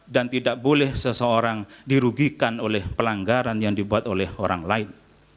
dan tidak boleh seseorang dirugikan oleh pelanggaran yang dibuat oleh orang lain